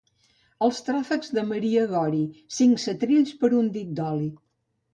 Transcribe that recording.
Els tràfecs de na Maria Gori, cinc setrills per un dit d'oli.